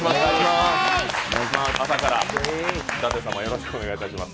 朝からだて様、よろしくお願いします。